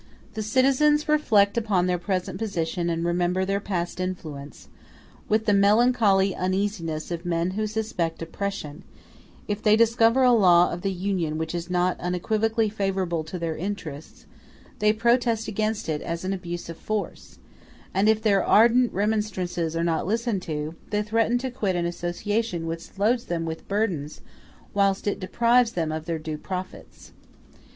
The citizens reflect upon their present position and remember their past influence, with the melancholy uneasiness of men who suspect oppression: if they discover a law of the Union which is not unequivocally favorable to their interests, they protest against it as an abuse of force; and if their ardent remonstrances are not listened to, they threaten to quit an association which loads them with burdens whilst it deprives them of their due profits.